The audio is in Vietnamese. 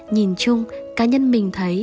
nhìn chung cá nhân mình thấy